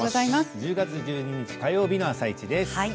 １０月１２日火曜日の「あさイチ」です。